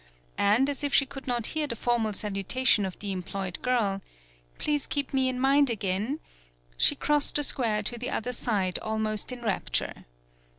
And as if she could not hear the formal salu tation of the employed girl, "Please keep me in mind again ..." she crossed the square to the other side al most in rapture.